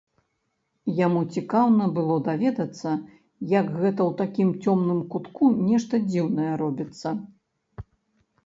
Яму цікаўна было даведацца, як гэта ў такім цёмным кутку нешта дзіўнае робіцца.